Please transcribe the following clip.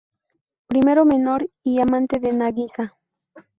Primo menor y amante de Nagisa.